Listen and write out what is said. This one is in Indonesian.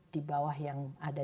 di bawah yang ada